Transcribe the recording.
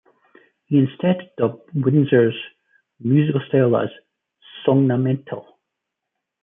He instead dubbed Windir's musical style as "Sognametal".